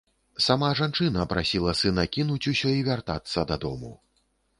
Сама жанчына прасіла сына кінуць усё і вяртацца дадому.